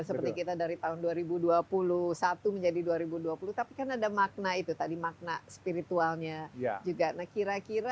seperti kita dari tahun dua ribu dua puluh satu menjadi dua ribu dua puluh tapi kan ada makna itu tadi makna spiritualnya juga nah kira kira